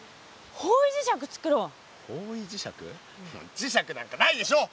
磁石なんかないでしょ！